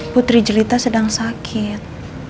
putri jelita sedang sakit